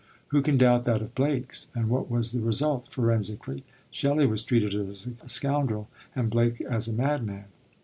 Who can doubt that of Blake's? And what was the result, forensically? Shelley was treated as a scoundrel and Blake as a madman.